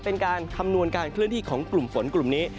เป็นการคำนวณการเคลื่อนที่ของกลุ่มฝนกลุ่มนี้